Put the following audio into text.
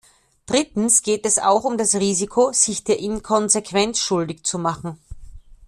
Drittens geht es auch um das Risiko, sich der Inkonsequenz schuldig zu machen.